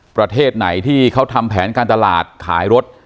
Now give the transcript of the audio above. ประเทศไหนที่เขาทำแผนการตลาดขายรถ